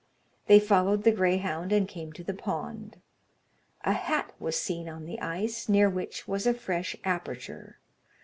They followed the greyhound, and came to the pond. A hat was seen on the ice, near which was a fresh aperture.